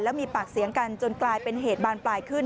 แล้วมีปากเสียงกันจนกลายเป็นเหตุบานปลายขึ้น